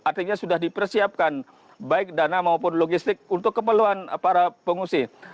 artinya sudah dipersiapkan baik dana maupun logistik untuk keperluan para pengungsi